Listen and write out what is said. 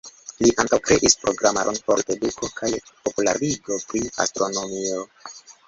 Li ankaŭ kreis programaron por eduko kaj popularigo pri astronomio.